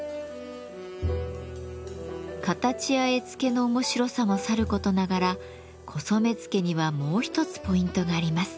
形や絵付けの面白さもさることながら古染付にはもう一つポイントがあります。